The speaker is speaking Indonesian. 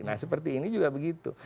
nah seperti ini juga begitu